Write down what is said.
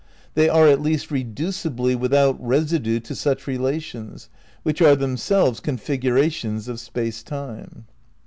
... They are at least reducibly without residue to such relations, which are themselves configurations of Space Time."